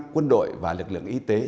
quân đội và lực lượng y tế